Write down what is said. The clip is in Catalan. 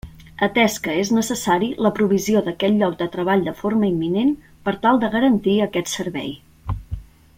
Atès que és necessari la provisió d'aquest lloc de treball de forma imminent, per tal de garantir aquest servei.